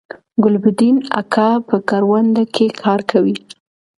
ګلبدین اکا په کرونده کی کار کوي